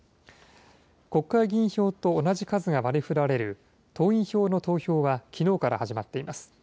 国会議員票と同じ数が割りふられる党員票の投票はきのうから始まっています。